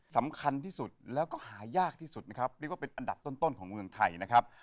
สำคัญที่สุดแล้วก็หายากที่สุดนะครับเรียกว่าเป็นอันดับต้นของเมืองไทยนะครับ